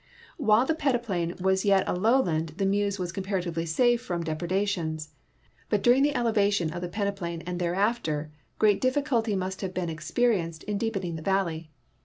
While the peneplain was yet a lowland the Meuse was comparatively safe from depredations, but during the eleva tion of the peneplain and thereafter, great difficulty must have been experienced in deepening the valley.